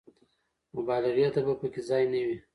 مبالغې ته به په کې ځای نه وي.